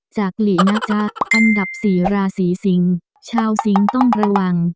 หลีนะจ๊ะอันดับสี่ราศีสิงชาวสิงค์ต้องระวัง